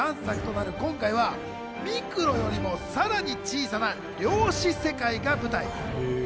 アントマンシリーズ第３作となる今回は、ミクロよりもさらに小さな量子世界が舞台。